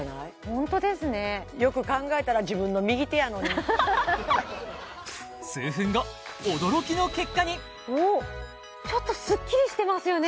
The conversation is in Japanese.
ホントですねよく考えたら自分の右手やのにおっちょっとスッキリしてますよね